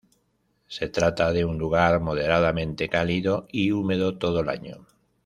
Se trata de un lugar moderadamente cálido y húmedo todo el año.